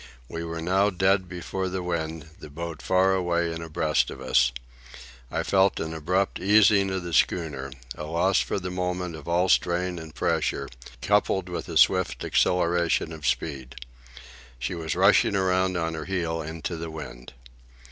We were now dead before the wind, the boat far away and abreast of us. I felt an abrupt easing of the schooner, a loss for the moment of all strain and pressure, coupled with a swift acceleration of speed. She was rushing around on her heel into the wind.